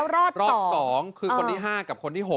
รอบ๒คือคนที่๕กับคนที่๖